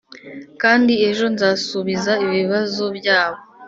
kandi ejo nzasubiza ibibazo byabo